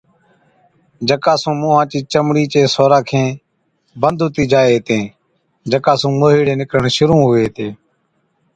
جڪا سُون مُونهان چِي چمڙِي چين سوراخين بند هُتِي جائي هِتين جڪا سُون موهِيڙي نِڪرڻ شرُوع هُوي هِتي۔